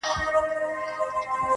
راته ښكلا راوړي او ساه راكړي.